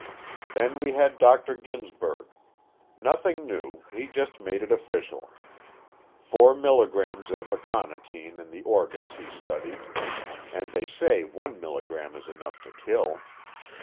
Then we had Dr. Ginsberg. Nothing new, he just made it official. Four milligrams of aconitine in the organs he studied, and they say one milligram is enough to kill.